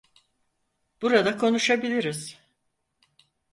Burada konuşabiliriz.